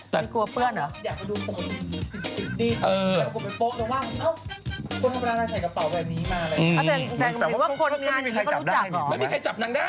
แต่งกลัวเปื้อนเหรอ